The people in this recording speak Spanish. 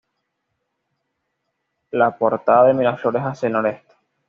La portada de Miraflores hacia el noreste.